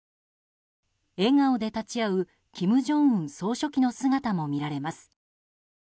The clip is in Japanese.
笑顔で立ち会う金正恩総書記の姿も見られます。